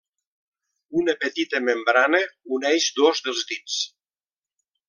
Una petita membrana uneix dos dels dits.